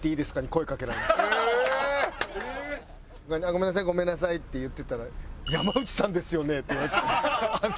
「ごめんなさいごめんなさい」って言ってたら「山内さんですよね？」って言われて。